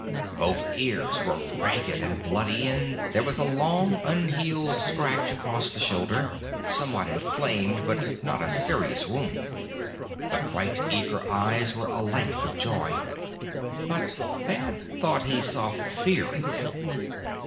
Both ears were ragged and bloody, and there was a long, unhealed scratch across the shoulder, somewhat inflamed, but not a serious wound. The bright, eager eyes were alight with joy. But Thad thought he saw fear in them.